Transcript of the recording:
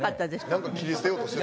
なんか切り捨てようとしてる。